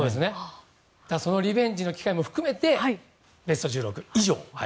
そのリベンジの機会も含めてベスト１６以上。